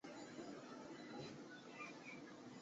拔灼易怒多疑。